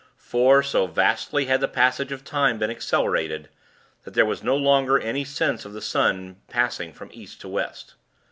For, so vastly had the passage of time been accelerated, that there was no longer any sense of the sun passing from East to West.